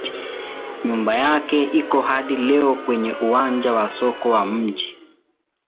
Nyumba yake iko hadi leo kwenye uwanja wa soko wa mji.